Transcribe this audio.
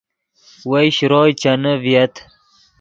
وئے شروئے چینے ڤییت